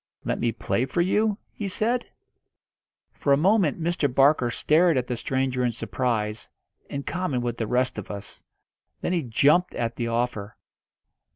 "Let me play for you?" he said. For a moment Mr. Barker stared at the stranger in surprise, in common with the rest of us. Then he jumped at the offer.